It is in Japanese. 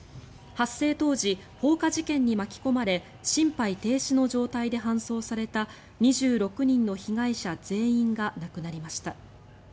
発生当時、放火事件に巻き込まれ心肺停止の状態で搬送された２６人の被害者全員が亡くなりました。